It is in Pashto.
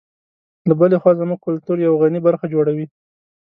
له بلې خوا زموږ کلتور یوه غني برخه جوړوي.